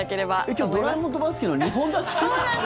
今日、「ドラえもん」とバスケの２本立て？